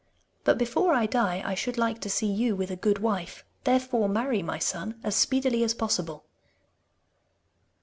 But before I die I should like to see you with a good wife; therefore marry, my son, as speedily as possible.